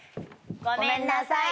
ごめんなさい。